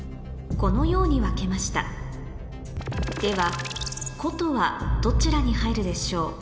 このように分けましたでは琴はどちらに入るでしょう？